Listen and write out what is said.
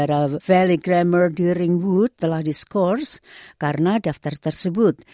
para veligramer di ringwood telah diskors karena daftar tersebut